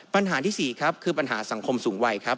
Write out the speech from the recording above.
ปัญหาที่๔ครับคือปัญหาสังคมสูงวัยครับ